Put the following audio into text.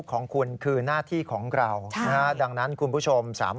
ก็เน้นย้ำนะฮะ